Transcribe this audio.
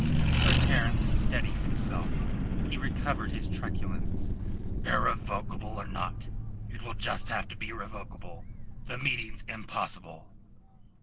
Sir Terence steadied himself. He recovered his truculence. "Irrevocable or not, it will just have to be revocable. The meeting's impossible."